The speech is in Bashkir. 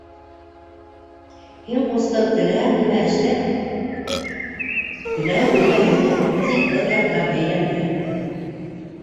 — Һин, ҡустым, теләһәң нимә эшлә, теләһәң нимә һөйлә, тик был яҡҡа бәйләнмә!